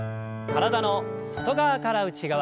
体の外側から内側。